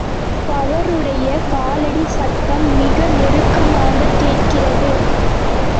பவருடைய காலடிச் சத்தம் மிக நெருக்கமாகக் கேட்கிறது.